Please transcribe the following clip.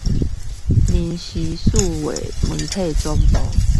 民視數位媒體總部